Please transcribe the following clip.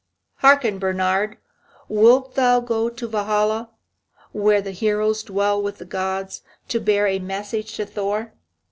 Hearken, Bernhard, wilt thou go to Valhalla, where the heroes dwell with the gods, to bear a message to Thor?"